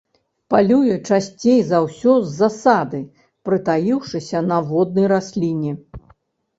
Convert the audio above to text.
Палюе часцей за ўсё з засады, прытаіўшыся на воднай расліне.